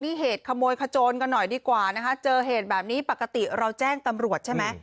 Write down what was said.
นี่เหตุขโมยขโจนกันหน่อยดีกว่านะคะเจอเหตุแบบนี้ปกติเราแจ้งตำรวจใช่ไหม